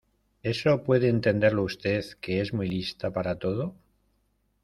¿ eso puede entenderlo usted que es muy lista para todo?